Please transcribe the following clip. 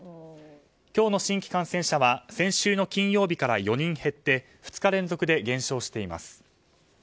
今日の新規感染者は先週の金曜日から４人減って、２日連続で減少しています。